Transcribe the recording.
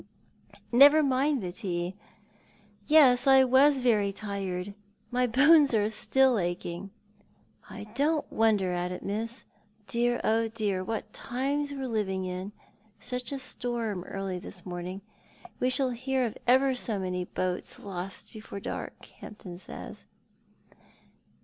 " Never mind the tea. Yes, I was very tired ; my bones are still aching." " And I don't wonder at it, miss. Dear, oh dear, what times we're living in ! Such a storm early this morning ! "We shall hear of ever so many boats lost before dark, Hampton says."